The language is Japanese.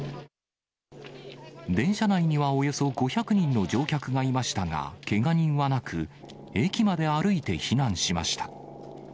電車内にはおよそ５００人の乗客がいましたが、けが人はなく、駅まで歩いて避難しました。